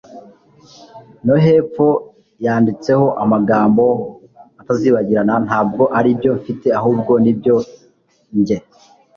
no hepfo yanditseho amagambo atazibagirana ntabwo aribyo mfite ahubwo nibyo njye